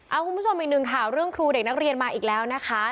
เอาคุณผู้ชมอีกหนึ่งข่าวเรื่องครูเด็กนักเรียนมาอีกแล้วนะคะ